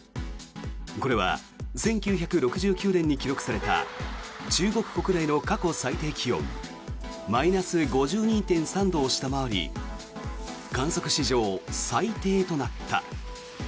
これは１９６９年に記録された中国国内の過去最低気温マイナス５２．３度を下回り観測史上最低となった。